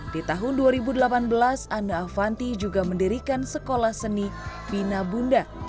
di tahun dua ribu delapan belas ana avanti juga mendirikan sekolah seni bina bunda